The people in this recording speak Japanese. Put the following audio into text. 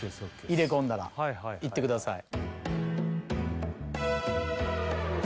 入れ込んだらいってください